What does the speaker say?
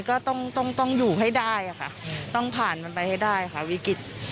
ก็ต้องต้องอยู่ให้ได้ค่ะต้องผ่านมันไปให้ได้ค่ะวิกฤต